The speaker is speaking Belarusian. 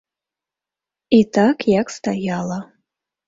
І так, як стаяла.